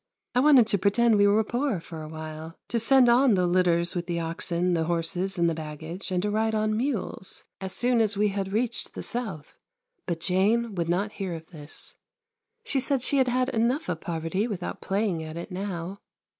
I wanted to pretend we were poor for a while. To send on the litters with the oxen, the horses, and the baggage, and to ride on mules as soon as we had reached the South but Jane would not hear of this. She said she had had enough of poverty without playing at it now.